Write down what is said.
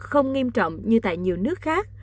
không nghiêm trọng như tại nhiều nước khác